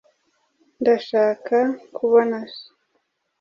Ndashaka kubona so.